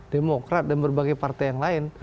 demokrat dan berbagai partai yang lain